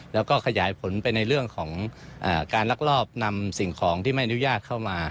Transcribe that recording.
แล้วก็ขยายผลไปในเรื่องของการลักลอบนำสิ่งของที่ไม่อนุญาตเข้ามา